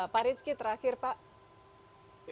pak rizky terakhir pak